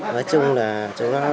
nói chung là chúng nó